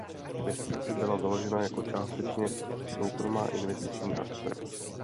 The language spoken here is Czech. Vesnice byla založena jako částečně soukromá investiční akce.